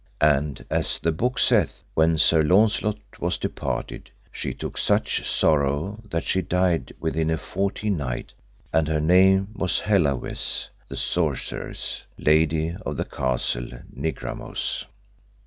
And as the book saith, when Sir Launcelot was departed she took such sorrow that she died within a fourteen night, and her name was Hellawes the sorceress, Lady of the Castle Nigramous.